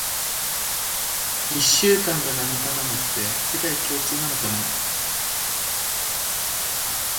一週間が七日なのって、世界共通なのかな？